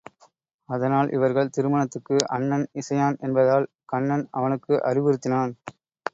அதனால் இவர்கள் திருமணத்துக்கு அண்ணன் இசையான் என்பதால் கண்ணன் அவனுக்கு அறிவுறுத்தினான்.